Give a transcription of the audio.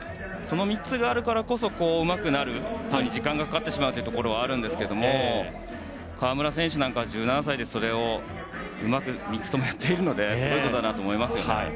その３つがあるからこそうまくなるのに時間がかかってしまうところがあるんですが川村選手は１７歳でもそれをうまく３つともやっているのですごいと思いますね。